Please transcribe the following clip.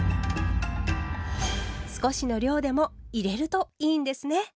少しの量でも入れるといいんですね！